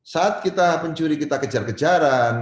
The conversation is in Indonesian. saat kita pencuri kita kejar kejaran